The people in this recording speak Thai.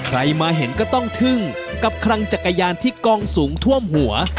ใครมาเห็นก็ต้องทึ่งกับคลังจักรยานที่กองสูงท่วมหัว